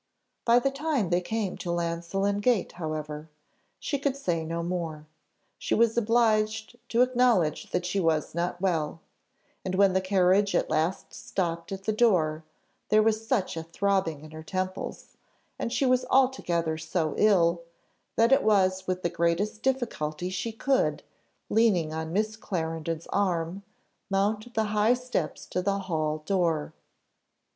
By the time they came to Llansillen gate, however, she could say no more; she was obliged to acknowledge that she was not well; and when the carriage at last stopped at the door, there was such a throbbing in her temples, and she was altogether so ill, that it was with the greatest difficulty she could, leaning on Miss Clarendon's arm, mount the high steps to the hall door.